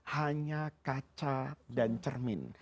hanya kaca dan cermin